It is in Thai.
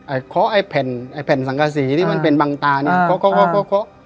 ไอเคาะไอแผ่นไอแผ่นสังกะศรีที่มันเป็นบังตาเนี้ยเคาะเคาะเคาะเคาะเคาะ